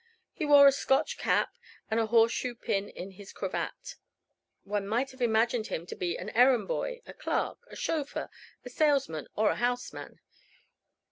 He wore a Scotch cap and a horseshoe pin in his cravat. One might have imagined him to be an errand boy, a clerk, a chauffeur, a salesman or a house man.